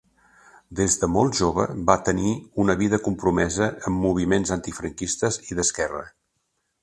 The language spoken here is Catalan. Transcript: Des de molt jove va tenir una vida compromesa amb moviments antifranquistes i d'esquerra.